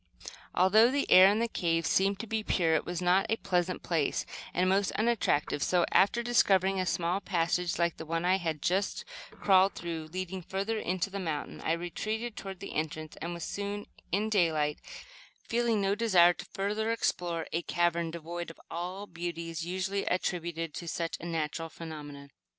Although the air in the cave seemed to be pure, it was not a pleasant place, and most unattractive; so, after discovering a small passage, like the one I had just crawled through, leading further into the mountain, I retreated toward the entrance and was soon in daylight, feeling no desire to further explore a cavern devoid of all the beauties usually attributed to such natural phenomena.